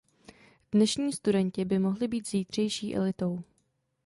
Dnešní studenti by mohli být zítřejší elitou.